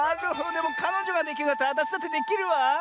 でもかのじょができるんだったらあたしだってできるわ。